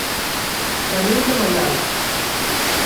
Venim de Maials.